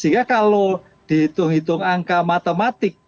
sehingga kalau dihitung hitung angka matematik